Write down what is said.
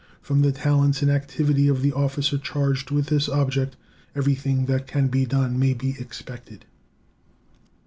From the talents and activity of the officer charged with this object everything that can be done may be expected.